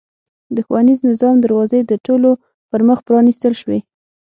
د ښوونیز نظام دروازې د ټولو پرمخ پرانېستل شوې.